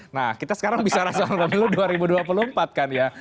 nah kita sekarang bicara soal pemilu dua ribu dua puluh empat kan ya